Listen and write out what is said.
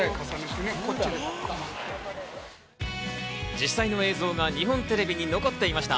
実際の映像が日本テレビに残っていました。